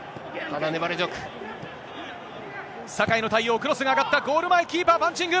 酒井の対応、クロスが上がった、ゴール前、キーパー、パンチング。